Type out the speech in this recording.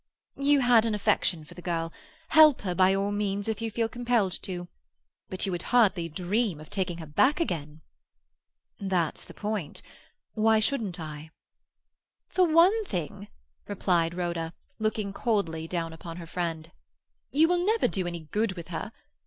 "You had an affection for the girl. Help her, by all means, if you feel compelled to. But you would hardly dream of taking her back again?" "That's the point. Why shouldn't I?" "For one thing," replied Rhoda, looking coldly down upon her friend, "you will never do any good with her.